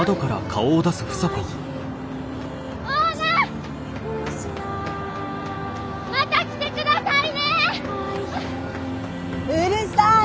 必ずまた来てください！